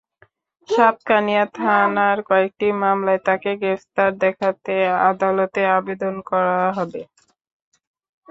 সাতকানিয়া থানার কয়েকটি মামলায় তাঁকে গ্রেপ্তার দেখাতে আদালতে আবেদন করা হবে।